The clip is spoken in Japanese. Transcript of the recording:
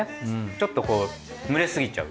ちょっとこう蒸れすぎちゃう。